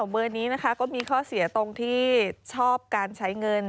เบอร์นี้นะคะก็มีข้อเสียตรงที่ชอบการใช้เงิน